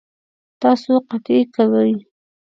تاسو قطعی کوئ؟